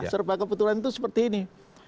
serba kebetulan itu seperti ini